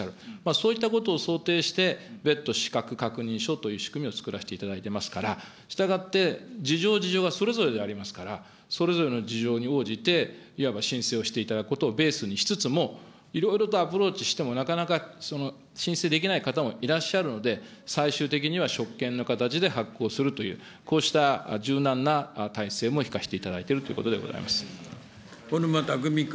そういったことを想定して、別途、資格確認書という仕組みを作らせていただいてますから、したがって、事情、事情はそれぞれでありますから、それぞれの事情に応じて、いわば申請をしていただくことをベースにしつつも、いろいろとアプローチしても、なかなか申請できない方もいらっしゃるので、最終的には職権の形で発行するという、こうした柔軟な体制もひかせていただいているということでござい小沼巧君。